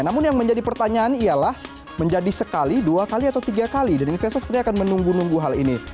namun yang menjadi pertanyaan ialah menjadi sekali dua kali atau tiga kali dan investor seperti akan menunggu nunggu hal ini